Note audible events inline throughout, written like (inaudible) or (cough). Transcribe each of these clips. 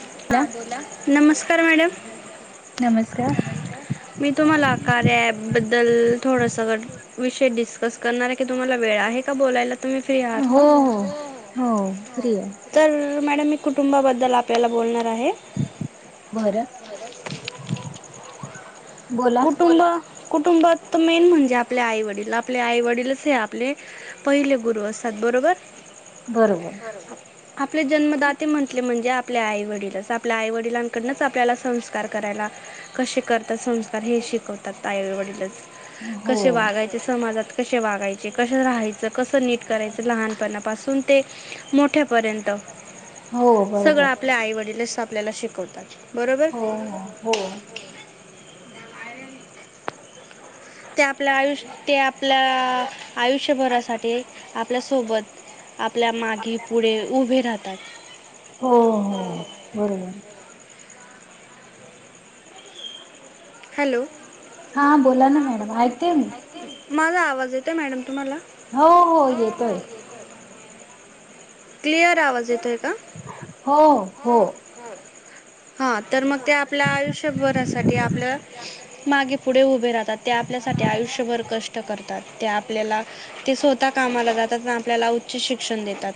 हा बोला... नमस्कार मॅडम. नमस्कार, मी तुम्हाला कार्या ॲप बद्दल. बद्दल थोडासा विषय डिस्कस करणार आहे की तुम्हाला वेळ आहे का बोलायला. तुम्ही फ्री आहात का? हो... हो.. तर मॅडम. कुटुंबाबद्दल आपल्याला बोलणार आहे (inaudible) कुटुंब... कुटुंबात मेन म्हणजे आपले आई वडील आपले आई वडीलच हे आपले पहिले गुरु असतात बरोबर. बरोबर... आपले जन्मदाते म्हंटले म्हणजे. आपले आई वडीलच आपल्या आई वडिलांकडूनच आपल्याला संस्कार करायला कशे करतात संस्. हे शिकवतात आई वडीलच... कसे वागायचे समाजात. कसे वागायचे, कसं राहायचं, कसं नीट करायचं लहानपणापाासून ते मोठ्या. पर्यंत सगळं आपल्या आईवडीलच आपल्याला शिकवतात. हो हो, हो. ते आपल्या आयुष्य... ते आपल्या आयुष्यभरासाठी आपल्या सोबत. आपल्या मागे पुढे उभे राहतात. हो. हो.... हॅलो. हा बोला ना मॅडम ऐकतेय मी. माझा आवाज येतोय मॅडम. हो हो येतोय. येतोय ना.. (inaudible) हो... हो हा तर मग ते आपल्या आयुष्यभरासाठी आपल्या. मागे पुढे उभे राहतात ते आपल्यासाठी आयुष्यभर कष्ट करतात ते आपल्याला. स्वतः कामाला जातात आपल्याला उच्च शिक्षण देतात.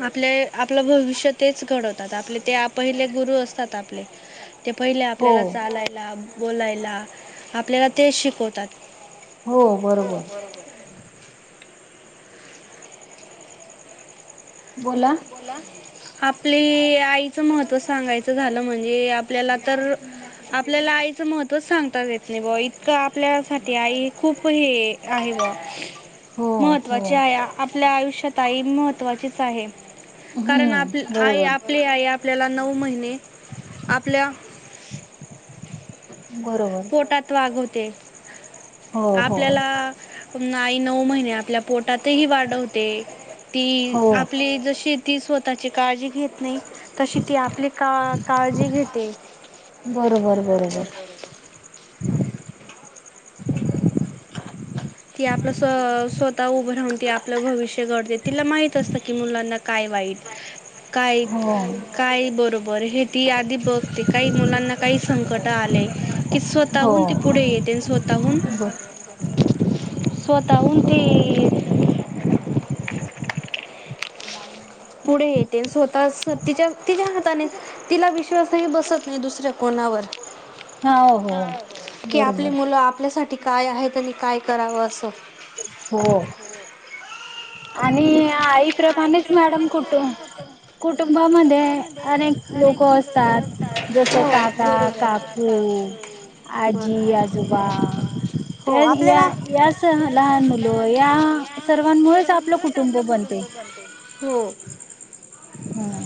(inaudible) आपले आपलं भविष्य तेच घडव. आपले ते पहिले गुरु असतात आपले... ते पहिले आपल्याला चालायला. बोलायला आपल्याला ते शिकवतात. बोला... आपले आईचं महत्त्व सांगायचं झालं म्हणजे आपल्याला तर. आपल्याला आईचं महत्व सांग. ता येत नाही बुवा इतकं आपल्या साठी आई खूप हे आहे बुवा. महत्वाचे आहे आपल्या आयुष्यात आई महत्त्वाचीच आहे. कारण आप आई आपली आई आपल्याला. नऊ महिने आपल्या. पोटात वागवते, आपल्याला. आई नऊ महिने आपल्या पोटातही वाढवते ती आपली जशी. ती स्वतःची काळजी घेत नाही तशी ती आपली का काळजी घेते. बरोबर बरोबर. ती आपलं स्व स्वतः उभं राहून ती आपलं भविष्य घडवते तिला माहित असतं कि मुलांना काय. वाईट. काय, काय बरोबर हे ती आधी बघते काही मुलांना काही. संकट आलेय की स्वतःहून ती पुढे येते स्वतःहून. स्वतःहून ती. पुढे येते स्वतः तिच्या तिच्या हाताने तिला विश्वासही बसत नाही दुसऱ्या कोणावर. (inaudible) कि आपली मुलं आपल्यासाठी. काय आहेत आणि काय करावं असं. हो आणि आईप्रमाणेच. मॅडम कुटुब कुटुंबामध्ये अनेक लोक असतात जस. काका-काकू, आजी-आजोबा त्या या. या सह लहान मुलं या सर्वांमुळेच आपलं कुटुंब बनते. हो. हम्म.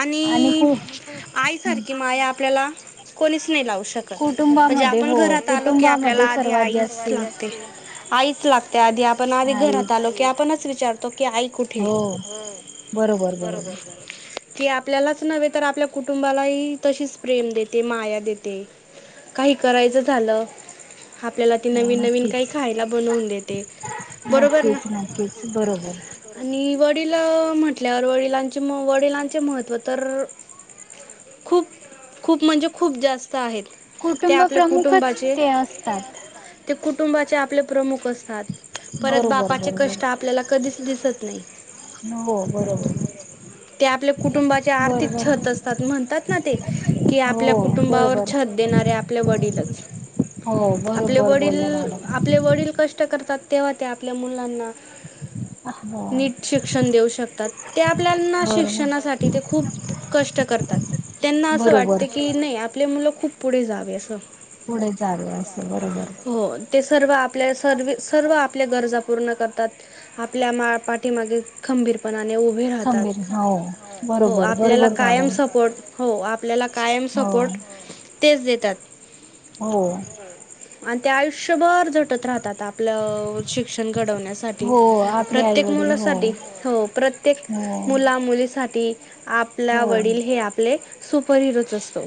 आणि आईसारखी माया आपल्याला कोणीच. लावु शकत म्हणजे आपण घरात आलो की आपल्याला आधी आईच लागते आईच लागते. त्या आधी आपण आधी घरात आलो की आपणच विचारतो. आई कुठे बरोबर-बरोबर. की आपल्यालाच नव्हे तर आपल्या कुटुंबालाही तशीच प्रेम देते माया देते. काही करायचं झालं. आपल्याला ती नवीन नवीन काही खायला बनवून देते बरोबर ना. आणि वडील. वडील म्हटल्यार वडिलांचे-वडिलांचे महत्त्व तर. खूप-खूप म्हणजे खूप जास्त आहेत. कुटुंब प्रमुखच ते असतात. कुटुंबाचे आपले प्रमुख असतात परत बापाचे कष्ट आपल्याला. दि-दिसत नाही. ते आपल्या कुटुंबाचे आर्थिक छत असतात म्हणतात ना ते की आपल्या कुटुंबावर छत. देणार आपले वडीलंच आपले वडिल-आपले वडील कष्ट कर. करतात तेव्हा ते आपल्या मुलांना. नीट शिक्षण देऊ शकतात ते आपल्याना शिक्षणासाठी ते खूप. कष्ट करतात त्यांना असं वाटते की नाही आपले मुलं खूप पुढे जावे अस. हो ते. सर्व आपल्या सर सर्व आपल्या गरजा पूर्ण करतात. आपल्या मा पाठीमागे खंबीरपणा. ने उभे राहतात हो आपल्याला कायम सपोर्ट हो. आपल्याला कायम सपोर्ट तेच देतात. हो. आणि ते आयुष्यभर झटत राहतात आपलं शिक्षण घडवण्यासाठी. प्रत्येक मुलासाठी हो प्रत्येक मुला-मुलीसाठी. आपला वडील हे आपले सुपर हिरोच असतो.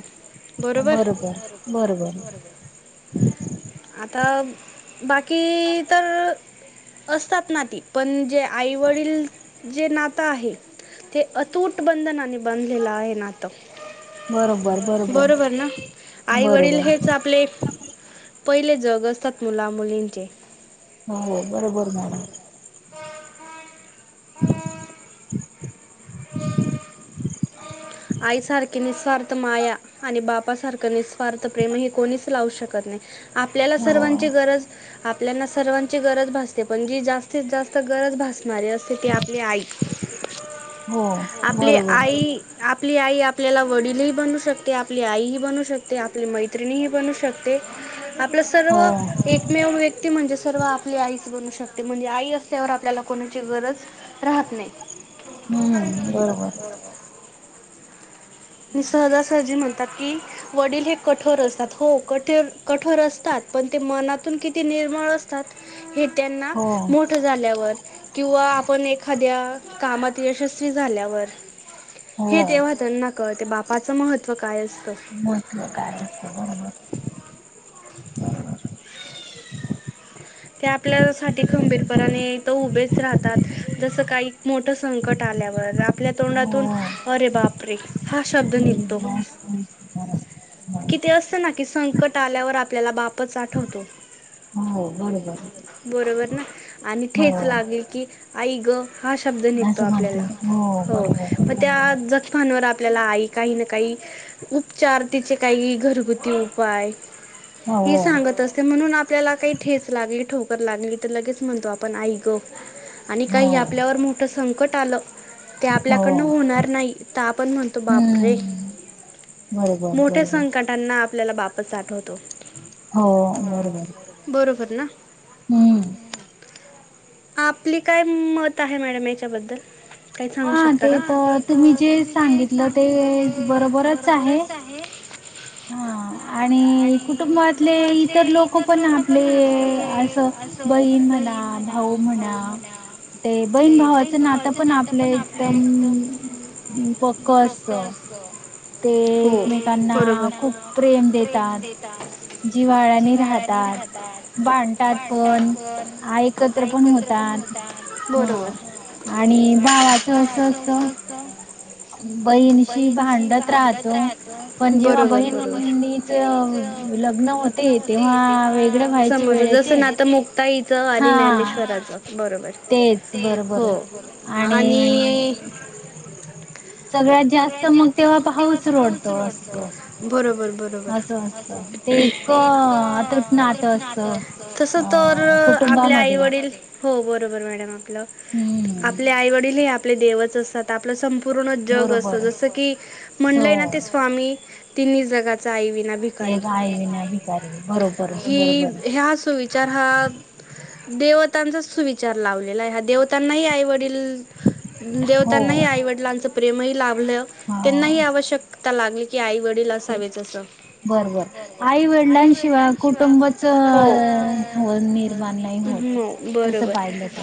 बरोबर आता. बाकी तर असतात ना ती पण जे आईवडील. जे नातं आहे ते अतूट बंधनाने बांधलेलं आहे नातं. बरोबर ना आई वडील हेच आपले. पहिले जग असतात मुला-मुलींचे. हो हो बरोबर मॅडम. (inaudible) प (inaudible) (unintelligible) आईसारखे निःस्वार्थ माया आणि बाप सारखं निःस्वार्थ प्रेम हे कोणीच लावू शकत. नाही आपल्याला सर्वांची गरज. आपल्याना सर्वांची गरज भासते पण जी जास्तीत जास्त गरज भासते. असते ते आपली आई, आपली आई. आपली आई आपल्याला वडीलही बनू शकते आपली आईही बनू शकते आपली मैत्रिणीही बनू शकते. आपलं सर्व एकमेव व्यक्ती म्हणजे सर्व आपली आई. शकते म्हणजे आई असल्यावर आपल्याला कोणाची गरज राहत नाही. हम्म बरोबर. मी सहजा-सहजी म्हण. कि वडील हे कठोर असतात. हो कठोर असतात पण ते मनातून किती नी निर्मळ असतात हे त्यांना मोठ झाल्यावर किंवा आपण एखाद्या. कामात यशस्वी झाल्यावर हे तेव्हा त्यांना. ते बापाचं महत्व काय अस. महत्व काय असतं बरोबर. ते आपल्या साठी खंबीरपणाने त उभेच राहतात. जसं काही मोठं संकट आहे. आपल्यावर राप. आपल्या तोंडातून अरे बाप रे हा शब्द निघतो. किती असत ना कि संकट आल्यावर आपल्याला बापच आठवतो? हो बरोबर. बरोबर ना आणि ठेच लागली की आई ग. ! हा शब्द निघतो आपल्याला हो मग त्या जखमांवर आपण. आपल्याला आई काही ना काही उपचार तिचे काही घरगुती उपाय. हे सांगत असते म्हणून आपल्याला काही ठेच लागली ठोक. लागली तर लगेच म्हणतो आपण आई ग! आणि काही आपल्यावर मोठं संकट आलं- ते आपल्याकडनं होणार नाही तर आपण म्हणतो बापरे! मोठ्या संकटांना आपल्याला बापस आठवतो. हम्म बरोबर ना. आपली काय मत आहे मॅडम याच्याबद्दल? काही सांगू शकता का? ते तर तुम्ही जे सांगितलं ते बरोबरच आहे. हा आणि कुटुंबातले इतर लोक पण आपले असं. बहीण म्हणा भाऊ म्हणा. ते बहीण भावाचं नातं पण आपलं. एकदम फको अस (unintelligible) हो बरोबर खूप प्रेम देतात जिवाळ्यानी. हात बा (unintelligible) टाकण त्र पण होता बरोबर (unintelligible) हा चौसष्ठ. बहीणीशी भांडत राहतो बरोबर जेव्हा बहिणीचं. लग्न होते तेव्हा समजलं जसं नातं. ताईच आणि ज्ञानेश्वराच बरोबर हो आणि. (unintelligible) सगळ्यात जास्त मग तेव्हा भाऊच रडतो बरोबर-बरोबर अस. ते इतका अतूट नातं असतं. तसं तर आपल्या आई वडील हो बरोबर मॅडम आपलं आपले आई वडील हे आपले देवच. जस आपल आता संपूर्ण जग अस जस कि म्हणलय ना ते स्वामी तिनी. जगाचा आई विना. भिकारी ही हा सुविचार हा. देवतांचा सुविचार. चार लावलेला आहे हा देवतांनाही आईवडील देवतांनाही आईवडिलांच प्रेम ही ला. त्यांनाही आवश्यकता लागली की आई वडील असावेच असच. बरोबर आई-वडिलांशिवाय कुटुंबच निर्माण नाही होत. हो बरोबर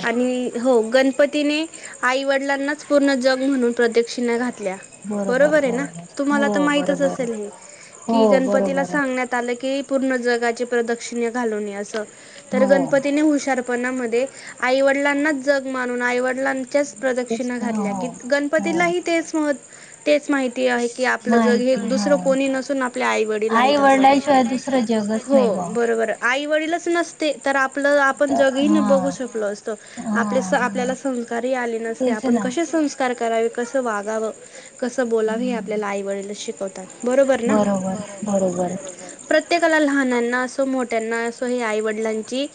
आणि हो गण. पतीने आई-वडिलांनाच पूर्ण जग म्हणून प्रदक्षिणा घातली. बरोबर आहे ना तुम्हाला तर माहितीच असेल हे. कि गणपतीला सांगण्यात आलं की. पूर्ण जगाची प्रदक्षिणे घालवणे असं तर गणपतीने हुशारपणामध्ये. आईवडिलांनाच जग मानून आईवडिलांच्याच प्रदक्षिणा घातल्या की गणपतीलाही तेच. तेच. माहिती आहे की. हो बरोबर आई वडीलच नसते. तर आपलं आपण जगही बघू शकलो असतो आपले आपल्याला संस्कारही आले नसते आपण. कसे संस्कार करावे कस वागावं कसं बोलाव हे आपल्याला आईवडीलच शिक‌. वतात बरोबर ना प्रत्येकाला लहानाना. सो मोठ्याना असो हे आईवडिलांची.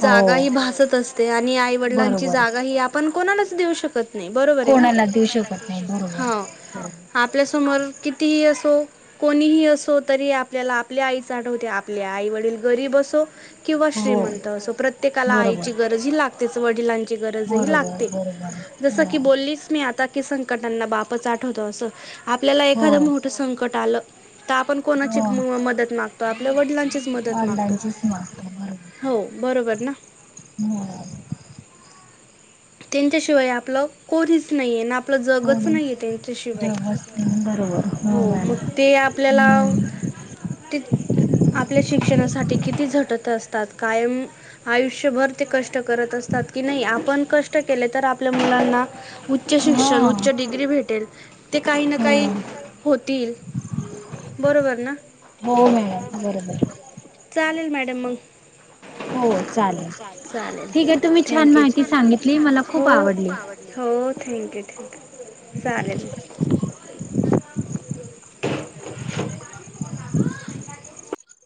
जागा हि भासत असते आणि आईवडिलांची जागा हि आपण कोणालाच देऊ शकत. बरोबर आहे ना हो आपल्यासमोर किती. असो कोणीही असो तरी आपल्याला आपल्या आईच आठवते आपल्या आई वडील गरीब असो. किंवा श्रीमंत अस प्रत्येकाला आईची गरज ही लागतेच वडिलांची. गरजही लागतेच जसं की बोलीच मी आता. संकटांना बापच आठवतो असं आपल्याला एखादं मोठं संकट आलं. तर आपण कोणाची मदत मागतो आपल्या वडिलांचीच मदत मागतो. हो बरोबर ना. त्यांच्याशिवाय आपलं कोणीच नाहीये ना. आपलं जगच नाही आहे त्यांच्याशिवाय. बरोबर हो मॅडम हम. ते आपल्या शिक्षणासाठी किती झटत अस. तात कायम आयुष्यभर ते कष्ट करत असतात की नाही आपण. कष्ट केले तर आपल्या मुलांना उच्च शिक्षण उच्च डिग्री भेटेल. ते काही ना काही होतील. हो मॅडम बरोबर. चालेल मॅडम मग. हो चालेल ठीक आहे तुम्ही छान माहिती सांगितली. हो हो थँक्यू थँक्यू चालेल मी. (inaudible)